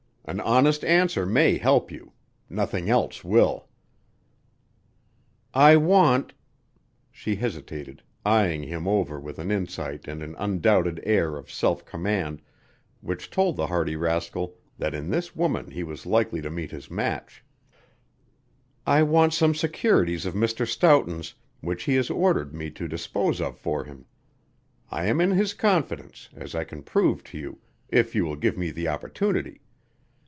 An honest answer may help you. Nothing else will." [Illustration: "She was ignorant of his presence"] "I want " she hesitated, eyeing him over with an insight and an undoubted air of self command which told the hardy rascal that in this woman he was likely to meet his match. "I want some securities of Mr. Stoughton's which he has ordered me to dispose of for him. I am in his confidence, as I can prove to you if you will give me the opportunity.